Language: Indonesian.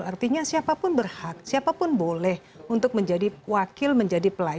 artinya siapapun berhak siapapun boleh untuk menjadi wakil menjadi pelay